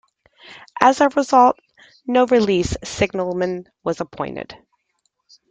As a result, no relief signalman was appointed.